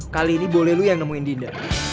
kali ini boleh lu yang nemuin dinda